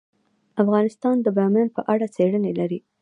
افغانستان د بامیان په اړه علمي څېړنې لري.